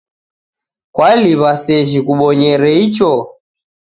Kwaliw'a sejhi kubonyere icho?